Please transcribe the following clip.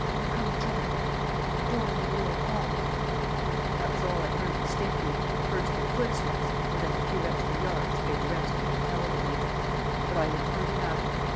You come and try ... a door into the old hall ..." That was all I heard distinctly; first their footsteps, and then the few extra yards, made the rest unintelligible. But I had heard enough.